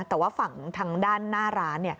แต่ว่าฝั่งทางด้านหน้าร้าน